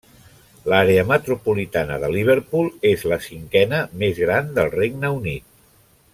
L'àrea metropolitana de Liverpool és la cinquena més gran del Regne Unit.